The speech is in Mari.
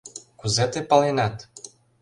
Кузе тый паленат?